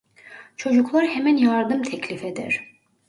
Çocuklar hemen yardım teklif eder.